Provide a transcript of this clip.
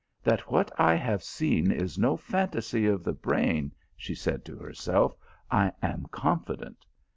" That what I have seen is no fantasy of the brain," said she to herself, " I am confident.